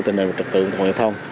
tình hình và trật tượng của ngoại thông